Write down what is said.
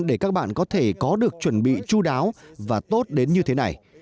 để các bạn có thể có được chuẩn bị chú đáo và tốt đến như thế này